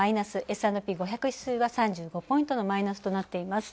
Ｓ＆Ｐ５００指数は３５ポイントのマイナスとなってます。